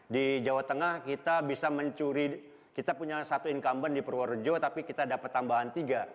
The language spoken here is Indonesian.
di jawa tengah kita bisa mencuri kita punya satu incumbent di purworejo tapi kita dapat tambahan tiga